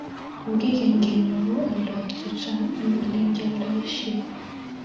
Kou kwekeny kenyoru oliik chechang eng Ole kioldoisie